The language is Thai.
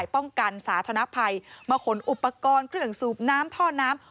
ป้องกันสาธารณภัยมาขนอุปกรณ์เครื่องสูบน้ำท่อน้ำ